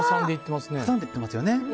挟んでいっていますよね。